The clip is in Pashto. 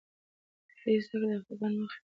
تفریحي زده کړه د خفګان مخه نیسي.